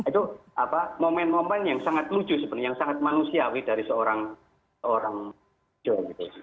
itu apa momen momen yang sangat lucu sebenarnya yang sangat manusiawi dari seorang orang jok gitu